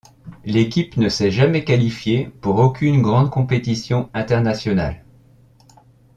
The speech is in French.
L'équipe ne s'est jamais qualifiée pour aucune grande compétition internationale.